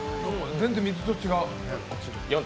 全然水と違う。